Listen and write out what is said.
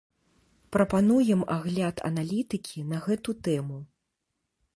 Прапануем агляд аналітыкі на гэту тэму.